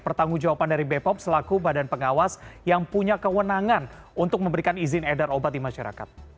pertanggung jawaban dari bepom selaku badan pengawas yang punya kewenangan untuk memberikan izin edar obat di masyarakat